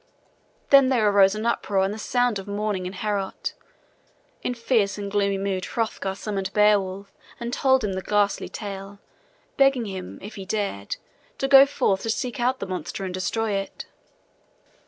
Then there arose an uproar and the sound of mourning in Heorot. In fierce and gloomy mood Hrothgar summoned Beowulf and told him the ghastly tale, begging him, if he dared, to go forth to seek out the monster and destroy it.